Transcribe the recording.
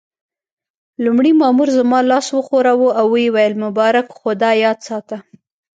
لومړي مامور زما لاس وښوراوه او ويې ویل: مبارک، خو دا یاد ساته.